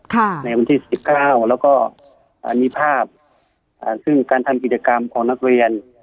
ในวันที่สิบเก้าแล้วก็อ่ามีภาพอ่าซึ่งการทำกิจกรรมของนักเรียน